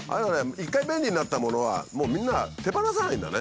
一回便利になったものはもうみんな手放さないんだね。